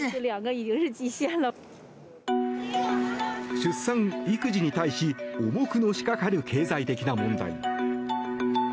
出産・育児に対し重くのしかかる経済的な問題。